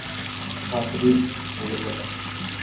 Mercedes দ্রুত চলে।